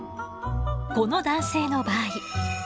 この男性の場合。